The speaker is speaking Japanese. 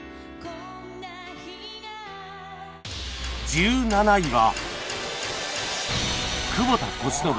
１７位は